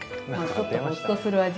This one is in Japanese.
ちょっとほっとする味？